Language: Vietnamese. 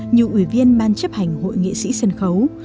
như ủy viên ban chấp hành hội nghệ sĩ sân khấu